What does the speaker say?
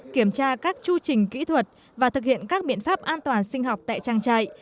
kiểm tra các chu trình kỹ thuật và thực hiện các biện pháp an toàn sinh học tại trang trại